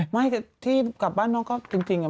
วิธีการมันอยู่แล้วไม่จบ